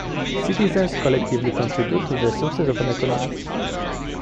Citizens collectively contribute to the success of an economy.